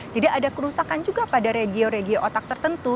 jadi ada kerusakan juga pada regio regio otak tertentu